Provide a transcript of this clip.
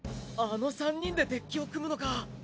あの３人でデッキを組むのか。